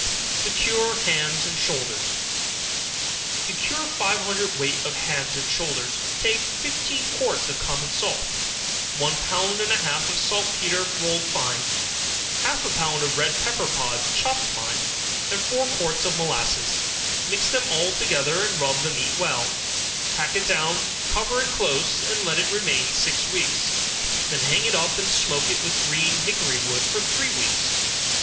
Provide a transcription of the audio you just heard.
To Cure Hams and Shoulders. To cure five hundred weight of hams and shoulders, take fifteen quarts of common salt, one pound and a half of saltpetre rolled fine, half a pound of red pepper pods chopped fine, and four quarts of molasses; mix them all together and rub the meat well, pack it down, cover it close, and let it remain six weeks, then hang it up and smoke it with green hickory wood for three weeks.